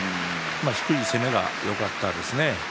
低い攻めがよかったですね。